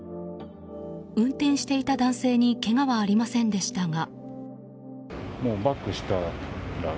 運転していた男性にけがはありませんでしたが。